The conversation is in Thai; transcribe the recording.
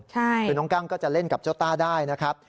คือน้องกั้งก็จะเล่นกับเจ้าต้าได้นะครับ